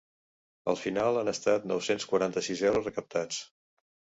Al final han estat nou-cents quaranta-sis euros recaptats.